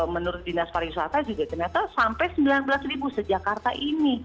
menurut dinas pariwisata juga ternyata sampai sembilan belas sejak karta ini